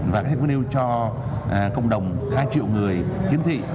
và các happy news cho cộng đồng hai triệu người kiến thị